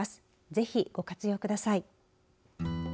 ぜひ、ご活用ください。